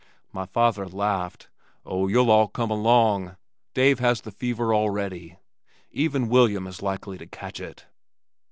My father laughed. "Oh, you'll all come along. Dave has the fever already. Even William is likely to catch it."